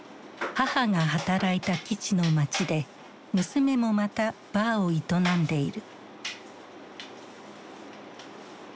母が働いた基地の街で娘もまたバーを営んでいる。